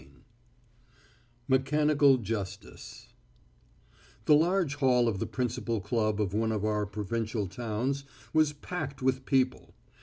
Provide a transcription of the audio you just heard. VII MECHANICAL JUSTICE The large hall of the principal club of one of our provincial towns was packed with people.